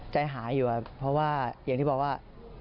ใจหายอยู่ครับเพราะว่าอย่างที่บอกว่า